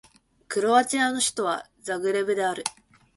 クロアチアの首都はザグレブである